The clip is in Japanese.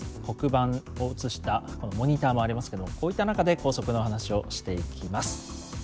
黒板を映したこのモニターもありますけどこういった中で校則の話をしていきます。